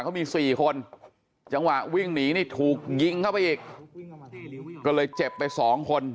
เขามีสี่คนจังหวะวิ่งหนีนี่ถูกยิงเข้าไปอีกก็เลยเจ็บไปสองคน